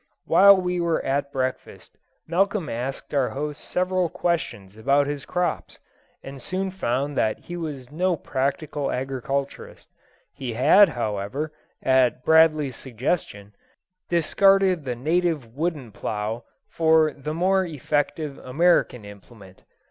While we were at breakfast, Malcolm asked our host several questions about his crops, and soon found that he was no practical agriculturist. He had, however, at Bradley's suggestion, discarded the native wooden plough for the more effective American implement.